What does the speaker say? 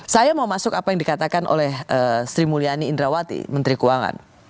saya mau masuk apa yang dikatakan oleh sri mulyani indrawati menteri keuangan